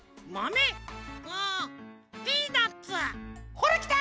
ほらきた！